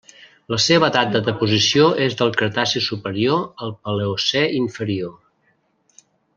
La seva edat de deposició és del Cretaci superior al Paleocè inferior.